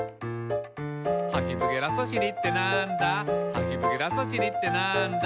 「ハヒブゲラソシリってなんだ？」